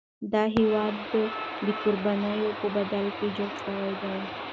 دا هیواد د قربانیو په بدل کي جوړ شوی دی.